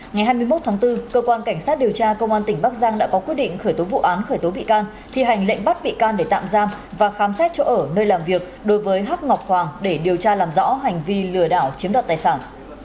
ngày hai mươi một tháng bốn cơ quan cảnh sát điều tra công an tỉnh bắc giang đã có quyết định khởi tố vụ án khởi tố bị can thi hành lệnh bắt bị can để tạm giam và khám xét chỗ ở nơi làm việc đối với hắt ngọc hoàng để điều tra làm rõ hành vi lừa đảo chiếm đoạt tài sản